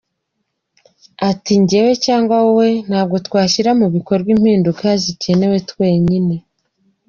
Ati “Njyewe cyangwa wowe ntabwo twashyira mu bikorwa impinduka zikenewe twenyine.